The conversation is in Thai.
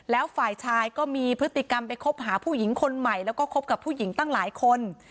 แล้วฝ่ายชายก็มีพฤติกรรมไปคบหาผู้หญิงคนใหม่แล้วก็คบกับผู้หญิงตั้งหลายคน